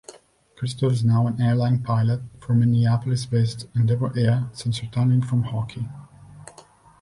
Christoff is now an airline pilot for Minneapolis-based Endeavor Air since retiring from hockey.